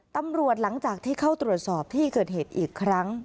หลังจากที่เข้าตรวจสอบที่เกิดเหตุอีกครั้ง